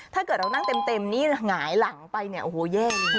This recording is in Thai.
ถ้าเกิดเรานั่งเต็มนี่หงายหลังไปเนี่ยโอ้โหแย่จริง